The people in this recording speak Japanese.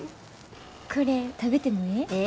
これ食べてもええ？